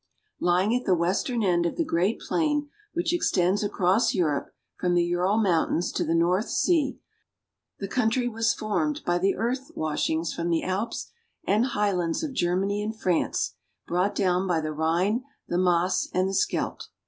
1 35 Lying at the western end of the great plain which ex tends across Europe from the Ural Mountains to the North Sea, the country was formed by the earth washings from the Alps and highlands of Germany and France, brought down by the Rhine, the Maas, and the Scheldt.